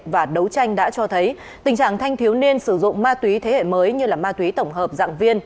và đấu tranh đã cho thấy tình trạng thanh thiếu niên sử dụng ma túy thế hệ mới như là ma túy tổng hợp dạng viên